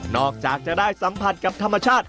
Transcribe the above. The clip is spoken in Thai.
จากจะได้สัมผัสกับธรรมชาติ